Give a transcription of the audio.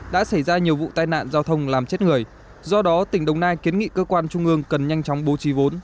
đã xảy ra nhiều vụ tai nạn giao thông làm chết người do đó tỉnh đồng nai kiến nghị cơ quan trung ương cần nhanh chóng bố trí vốn